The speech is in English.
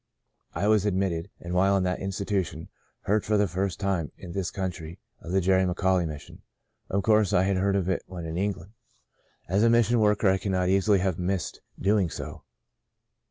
I was admitted, and while in that institution heard for the first time in this country of the Jerry McAuley Mission. Of course I had heard of it when in England. As a mission The Second Spring 181 worker I could not easily have missed doing so.